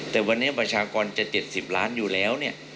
แต่วันนี้ประชากรจะ๗๐ล้านอยู่แล้วเนี่ย